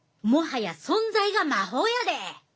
もはや存在が魔法やで！